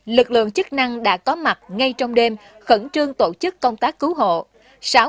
lực lượng chức năng đã có mặt ngay trong đêm khẩn trương tổ chức công tác cứu hộ